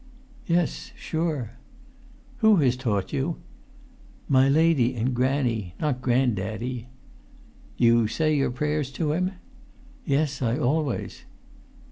"Yes, sure." "Who has taught you?" "My lady and granny—not grand daddy." "You say your prayers to Him?" "Yes, I always."